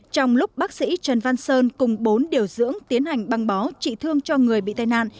trong lúc bác sĩ trần văn sơn cùng bốn điều dưỡng tiến hành băng bó trị thương cho người bị tai nạn